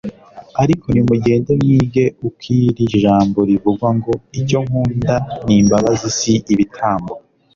Ariko nimugende mwige uko iri jambo rivuga ngo : Icyo nkunda ni imbabazi si ibitambo.